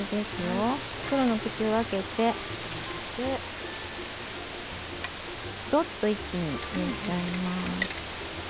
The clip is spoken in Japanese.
袋の口を開けてどっと一気に入れちゃいます。